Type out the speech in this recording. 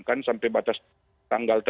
kan sampai batas tanggal